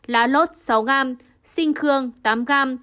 lá lốt sáu g xinh khương tám g